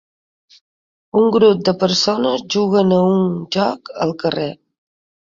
Un grup de persones juguen a un joc al carrer.